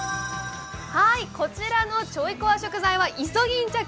こちらのちょいコワ食材はイソギンチャク。